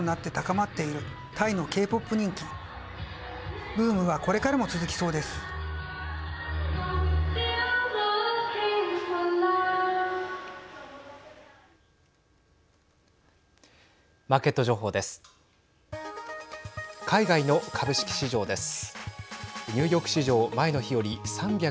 マーケット情報です。